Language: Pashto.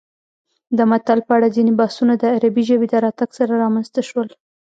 د متل په اړه ځینې بحثونه د عربي ژبې د راتګ سره رامنځته شول